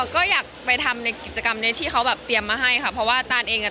ก็อยากไปทำกิจกรรมที่เขาเตรียมมาให้ค่ะ